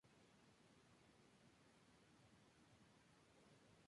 La madera es fuerte, ligera y fácil de trabajar.